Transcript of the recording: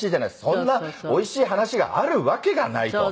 そんなおいしい話があるわけがないと。